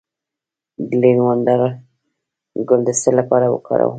د لیوانډر ګل د څه لپاره وکاروم؟